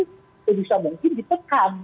itu bisa mungkin ditekan